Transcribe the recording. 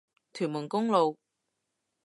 屯門公路